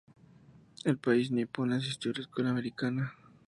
En el país nipón asistió a la Escuela Americana.